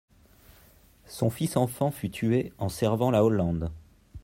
Son fils enfant fut tué en servant la Hollande.